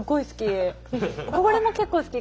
これも結構好き